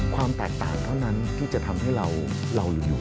ความแตกต่างเท่านั้นที่จะทำให้เราอยู่